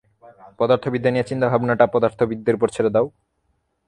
পদার্থবিদ্যা নিয়ে চিন্তাভাবনাটা পদার্থবিদদের ওপর ছেড়ে দাও।